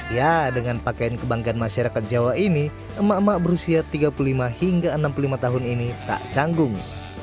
ya dengan pakaian kebanggaan masyarakat jawa ini emak emak berusia tiga puluh lima hingga enam puluh lima tahun ini tak canggung